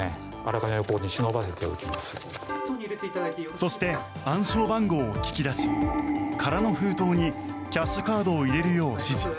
そして暗証番号を聞き出し空の封筒にキャッシュカードを入れるよう指示。